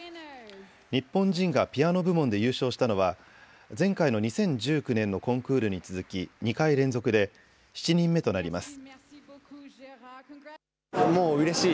日本人がピアノ部門で優勝したのは前回の２０１９年のコンクールに続き２回連続で７人目となります。